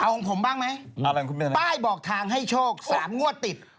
เอาของผมบ้างไหมป้ายบอกทางให้โชคสามงวดติด